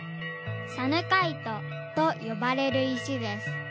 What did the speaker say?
サヌカイトとよばれるいしです。